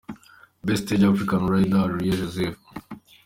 Best stage African rider: Areruya Joseph.